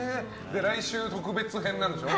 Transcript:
来週、特別編なんでしょ？